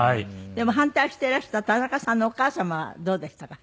でも反対していらした田中さんのお母様はどうでしたか？